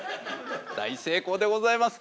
大成功でございます。